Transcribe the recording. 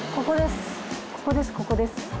ここです。